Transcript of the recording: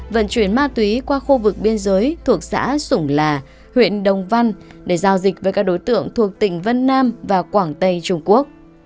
vận chuyển ma túy qua khu vực biên giới thuộc xã sủng là huyện đồng văn để giao dịch với các đối tượng thuộc tỉnh vân nam và quảng tây trung quốc